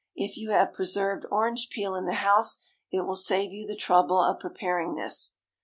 If you have preserved orange peel in the house, it will save you the trouble of preparing this.